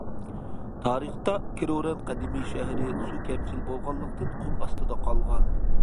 تارىختا كىروران قەدىمىي شەھىرى سۇ كەمچىل بولغانلىقتىن قۇم ئاستىدا قالغان.